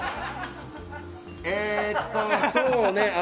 えーっと、そうね。